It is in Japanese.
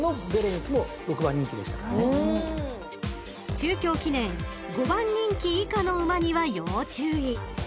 ［中京記念５番人気以下の馬には要注意］